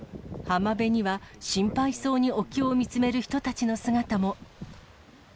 浜辺には、心配そうに沖を見つめる人たちの姿も。